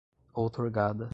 outorgada